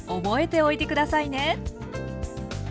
覚えておいて下さいね。